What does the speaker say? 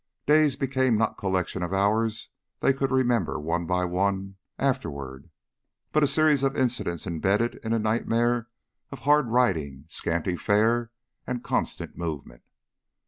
Days became not collections of hours they could remember one by one afterward, but a series of incidents embedded in a nightmare of hard riding, scanty fare, and constant movement.